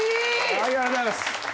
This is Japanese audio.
ありがとうございます。